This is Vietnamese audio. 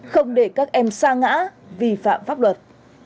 không để các em xa ngã vi phạm pháp luật